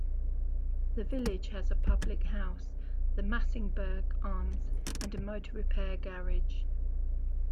The village has a public house, the Massingberd Arms, and a motor repair garage.